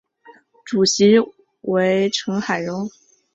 主席为成海荣。